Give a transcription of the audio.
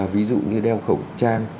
ví dụ như đeo khẩu trang